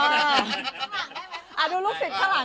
อยากให้รู้ว่าห่วงใย